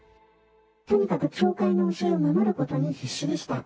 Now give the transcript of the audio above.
とにかく教会の教えを守ることに必死でした。